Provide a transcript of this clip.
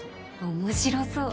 面白そう。